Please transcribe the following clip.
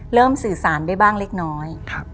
เริ่มสื่อสารไปบ้างเล็กน้อย